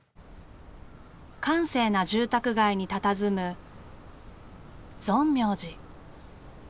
閑静な住宅街にたたずむ存明寺。